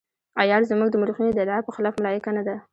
عیار زموږ د مورخینو د ادعا په خلاف ملایکه نه ده.